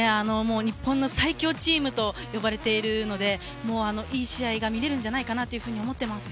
日本の最強チームと呼ばれているので、いい試合が見れるんじゃないかなと思っています。